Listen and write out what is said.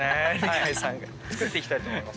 作っていきたいと思います。